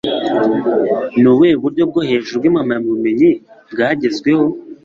Ni ubuhe buryo bwo hejuru bw'impamyabumenyi bwagezweho?